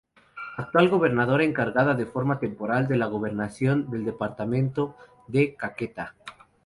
Actual gobernadora encargada de forma temporal de la gobernación del departamento de Caquetá.